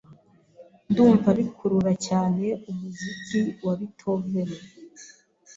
Ndumva bikurura cyane umuziki wa Beethoven.